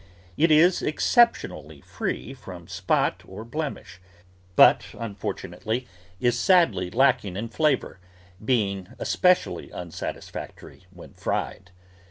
It is exceptionally free from spot or blemish, but, unfortunately, is sadly lack ing in flavour, being especially unsatisfactory when fried.